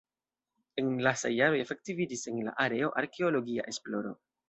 En lastaj jaroj efektiviĝis en la areo arkeologia esploro.